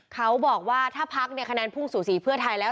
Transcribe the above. เขาบอกว่าถ้าพักเนี่ยคะแนนพุ่งสู่สีเพื่อไทยแล้ว